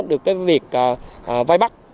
được cái việc vai bắt